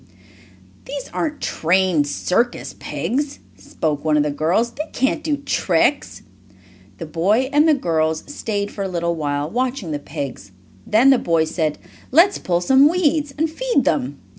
"These aren't trained circus pigs," spoke one of the girls. "They can't do tricks." The boy and the girls stayed for a little while, watching the pigs. Then the boy said: "Let's pull some weeds and feed them."